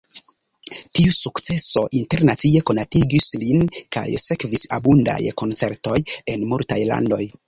Tiu sukceso internacie konatigis lin, kaj sekvis abundaj koncertoj en multaj landoj.